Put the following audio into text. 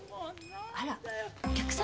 あらお客様？